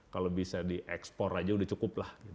kalau bisa di ekspor saja sudah cukup lah